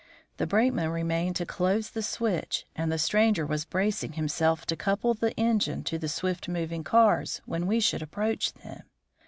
The brakeman remained to close the switch and the stranger was bracing himself to couple the engine to the swift moving cars when we should approach them.